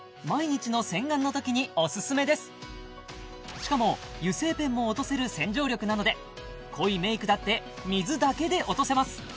しかも油性ペンも落とせる洗浄力なので濃いメイクだって水だけで落とせます！